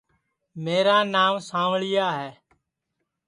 میرا نانٚو سانٚوݪِیا ہے